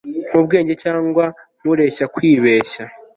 nkubwenge cyangwa kureshya, kwibeshya